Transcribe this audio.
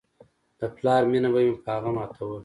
د پلار مينه به مې په هغه ماتوله.